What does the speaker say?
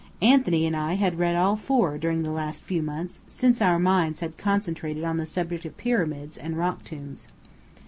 Anthony and I had read all four during the last few months, since our minds had concentrated on the subject of pyramids and rock tombs.